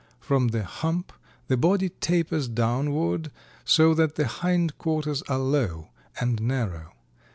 From the hump the body tapers downward so that the hind quarters are low and narrow.